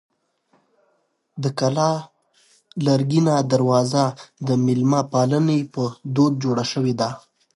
د کلا لرګینه دروازه د مېلمه پالنې په دود جوړه شوې وه.